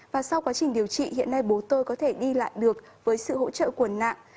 và sau quá trình điều trị hiện nay bố tôi có thể đi lại được với sự hỗ trợ của nạn